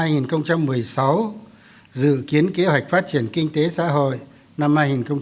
năm hai nghìn một mươi sáu dự kiến kế hoạch phát triển kinh tế xã hội năm hai nghìn một mươi bảy